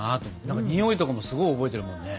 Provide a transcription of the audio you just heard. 何かにおいとかもすごい覚えてるもんね。